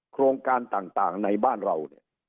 โครงการต่างในบ้านเรา